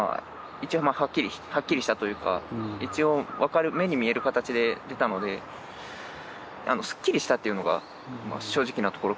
一応まあはっきりはっきりしたというか一応分かる目に見える形で出たのですっきりしたっていうのが正直なところかもしれないですね。